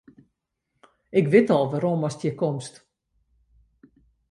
Ik wit al wêrom ast hjir komst.